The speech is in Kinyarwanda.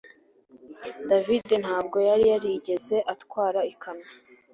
David ntabwo yari yarigeze atwara ikamyo